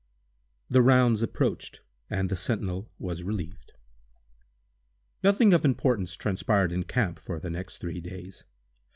The "rounds" approached, and the sentinel was relieved. Nothing of importance transpired in camp for the next three days.